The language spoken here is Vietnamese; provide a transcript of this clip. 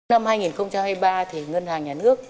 năm hai nghìn hai mươi ba thì ngân hàng nhà nước